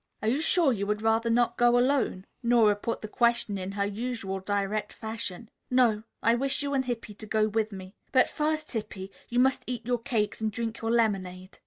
"Are you sure you would rather not go alone?" Nora put the question in her usual direct fashion. "No; I wish you and Hippy to go with me. But first, Hippy, you must eat your cakes and drink your lemonade."